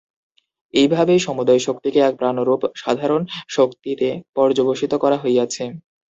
এইভাবেই সমুদয় শক্তিকে এক প্রাণরূপ সাধারণ শক্তিতে পর্যবসিত করা হইয়াছে।